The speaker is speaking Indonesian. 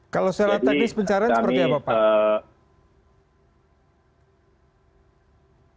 kalau secara teknis pencarian seperti apa pak